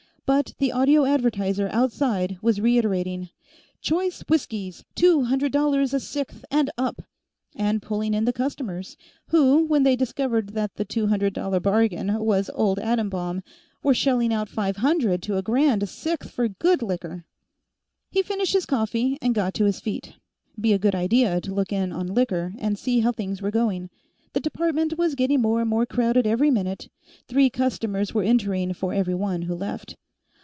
But the audio advertiser, outside, was reiterating: "Choice whiskies, two hundred dollars a sixth and up!" and pulling in the customers, who, when they discovered that the two hundred dollar bargain was Old Atom Bomb, were shelling out five hundred to a grand a sixth for good liquor. He finished his coffee and got to his feet. Be a good idea to look in on Liquor, and see how things were going. The department was getting more and more crowded every minute; three customers were entering for every one who left.